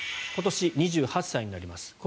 今年２８歳になります。